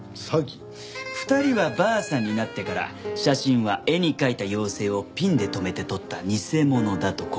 ２人はばあさんになってから写真は絵に描いた妖精をピンで止めて撮った偽物だと告白した。